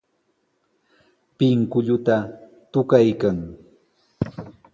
Pinkulluta tukaykan.